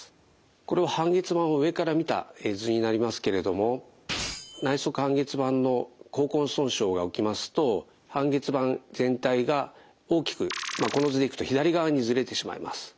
これは半月板を上から見た絵図になりますけれども内側半月板の後根損傷が起きますと半月板全体が大きくこの図でいくと左側にずれてしまいます。